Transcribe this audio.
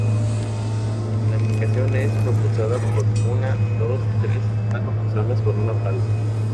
La embarcación es propulsada por una, dos, tres o cuatro personas con una pala.